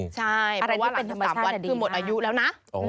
ใช่เพราะว่าเป็น๓วันคือหมดอายุแล้วนะ